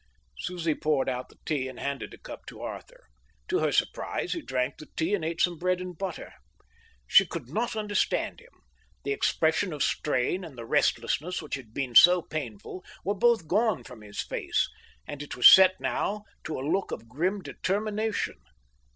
Susie poured out the tea and handed a cup to Arthur. To her surprise, he drank the tea and ate some bread and butter. She could not understand him. The expression of strain, and the restlessness which had been so painful, were both gone from his face, and it was set now to a look of grim determination.